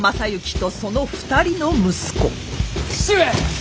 父上！